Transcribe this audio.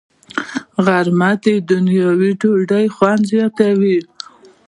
غرمه د نیوي ډوډۍ خوند زیاتوي